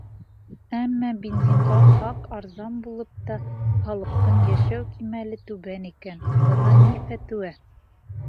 Әммә бензинға хаҡ арзан булып та, халыҡтың йәшәү кимәле түбән икән, бынан ни фәтүә?